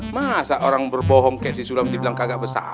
masa orang berbohong kayak si sulam dibilang kagak bersalah